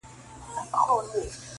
ګورﺉقاسم یار چي په ګناه کي هم تقوا کوي,